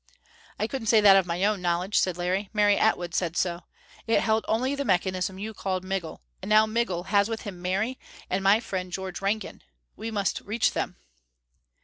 "I couldn't say that of my own knowledge," said Larry. "Mary Atwood said so. It held only the mechanism you call Migul. And now Migul has with him Mary and my friend George Rankin. We must reach them."